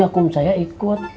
tapi besok saya pasti ikut